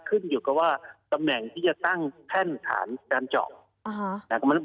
ขึ้นอยู่กับว่าตำแหน่งที่จะตั้งแท่นฐานการเจาะนะครับ